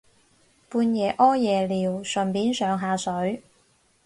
半夜屙夜尿順便上下水